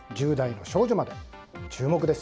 １０代の少女まで。